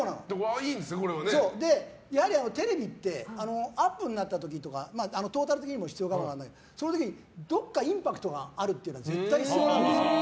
やはり、テレビってアップになった時とかトータル的にも必要かもだけどそういう時にどこかインパクトがあるって絶対必要なんです。